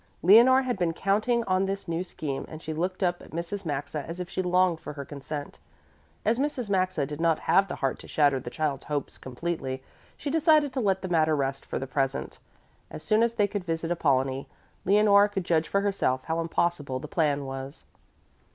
Leonore had been counting on this new scheme and she looked up at Mrs. Maxa as if she longed for her consent. As Mrs. Maxa did not have the heart to shatter the child's hopes completely, she decided to let the matter rest for the present. As soon as they could visit Apollonie, Leonore could judge for herself how impossible the plan was.